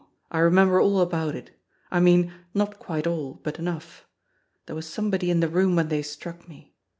I remember all about it. I mean, not quite all, but enough. There was somebody in the room when they struck me.